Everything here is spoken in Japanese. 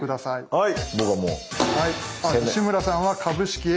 はい。